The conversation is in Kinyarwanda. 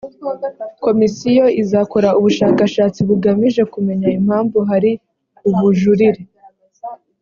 komisiyo izakora ubushakashatsi bugamije kumenya impamvu hari ubujurire